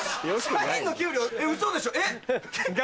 社員の給料ウソでしょ？